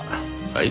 はい？